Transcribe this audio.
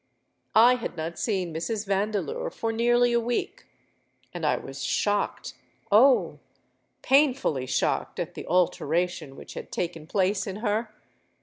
I had not seen Mrs. Vandeleur for nearly a week; and I was shocked—oh! painfully shocked at the alteration which had taken place in her.